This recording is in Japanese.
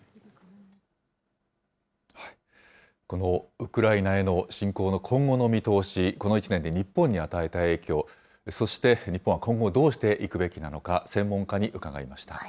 このウクライナへの侵攻の今後の見通し、この１年で日本に与えた影響、そして日本は今後、どうしていくべきなのか、専門家に伺いました。